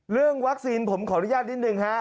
เรื่องวัคซีนผมขออนุญาตนิดหนึ่งฮะ